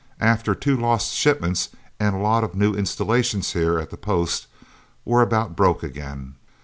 After two lost shipments, and a lot of new installations here at the Post, we're about broke, again.